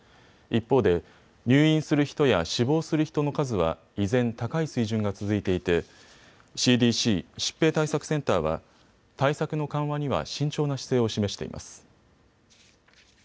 一方で入院する人や死亡する人の数は依然高い水準が続いていてＣＤＣ・疾病対策センターは対策の緩和には慎重な姿勢を示しています。